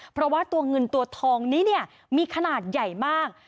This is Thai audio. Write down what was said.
เพราะว่าตัวเงินตัวทองนี้เนี่ยมีขนาดใหญ่มาก